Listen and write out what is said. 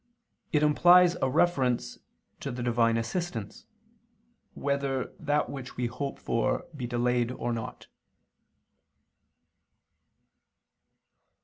It implies a reference to the Divine assistance, whether that which we hope for be delayed or not.